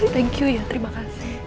thank you ya terima kasih